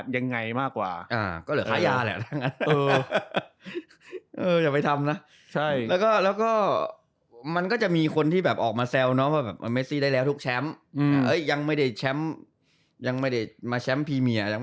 ยังไม่ได้มาแชมป์พรีเมียยังไม่แชมป์แต่ผมก็พูดอย่าง